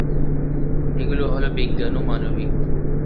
এগুলো হলঃ বিজ্ঞান ও মানবিক।